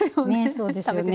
そうですよね。